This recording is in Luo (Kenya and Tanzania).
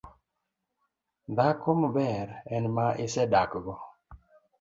Dhako maber en ma isedakgo